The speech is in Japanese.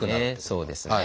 そうですね。